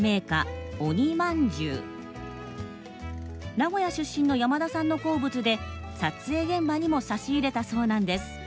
名古屋出身の山田さんの好物で撮影現場にも差し入れたそうなんです。